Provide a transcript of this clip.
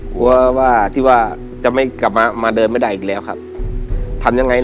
กลัวว่าที่ว่าจะไม่กลับมามาเดินไม่ได้อีกแล้วครับทำยังไง